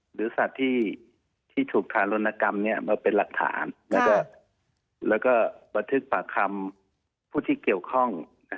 หรือสัตว์ที่ถูกทานลนกรรมมาเป็นหลักฐาน